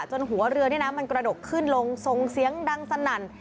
หัวเรือนี่นะมันกระดกขึ้นลงทรงเสียงดังสนั่น